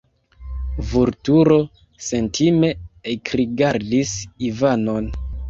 Vulturo sentime ekrigardis Ivanon.